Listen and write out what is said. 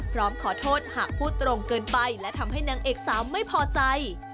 พร้อมขอโทษหากพูดตรงเกินไปและทำให้นางเอกสาวไม่พอใจ